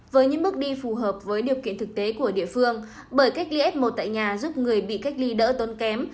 với những bước đi phù hợp với điều kiện thực tế của địa phương bởi cách ly f một tại nhà giúp người bị cách ly đỡ tốn kém